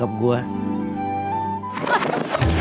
sampai jumpa lagi